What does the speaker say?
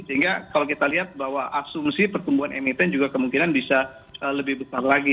sehingga kalau kita lihat bahwa asumsi pertumbuhan emiten juga kemungkinan bisa lebih besar lagi